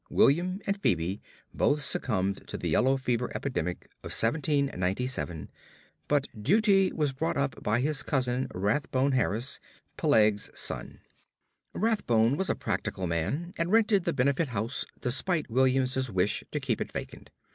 William and Phebe both succumbed to the yellow fever epidemic of 1797, but Dutee was brought up by his cousin Rathbone Harris, Peleg's son. Rathbone was a practical man, and rented the Benefit Street house despite William's wish to keep it vacant.